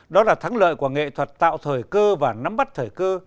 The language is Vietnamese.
đó là thắng lợi của nghệ thuật tạo thời cơ và nắm bắt thời cơ